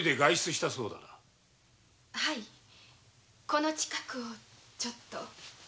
この近くをちょっと。